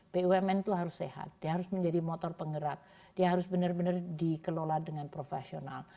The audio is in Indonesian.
bumn itu harus sehat dia harus menjadi motor penggerak dia harus benar benar dikelola dengan profesional